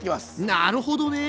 なるほどね！